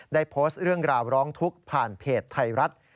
ได้โพสต์เรื่องราวร้องทุกข์ผ่านเพจไทยรัฐ